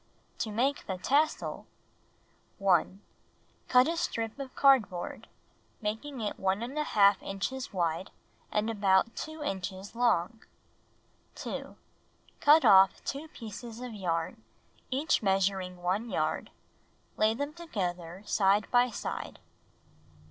To Make the Tassel 1. Cut a strip of cardboard, making it 1§ inches wide and about 2 inches long. 2. Cut off 2 pieces of yarn, each measuring 1 yard, lay them together, side by side.